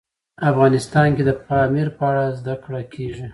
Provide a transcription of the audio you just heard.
افغانستان کې د پامیر په اړه زده کړه کېږي.